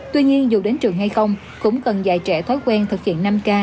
tuy nhiên dù đến trường hay không cũng cần dạy trẻ thói quen thực hiện